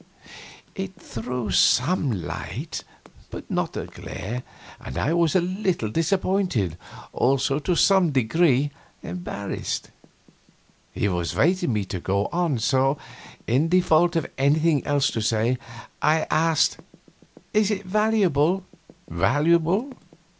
It threw some light, but not a glare, and I was a little disappointed, also to some degree embarrassed. He was waiting for me to go on, so, in default of anything else to say, I asked, "Is it valuable?" "Valuable?